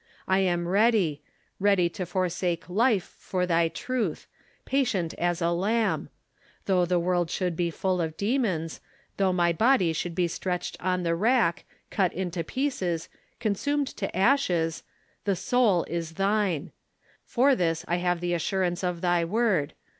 I am ready — ready to for sake life for thy truth — jiatient as a lamb. Though the world should be full of demons ; though my body should be stretched on the rack, cut into pieces, consumed to ashes, the soul is thine. For this I have the assurance of thy Word.